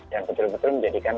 dan betul betul menjadikan